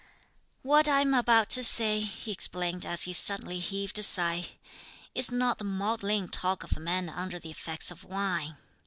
"What I am about to say," he explained as he suddenly heaved a sigh, "is not the maudlin talk of a man under the effects of wine.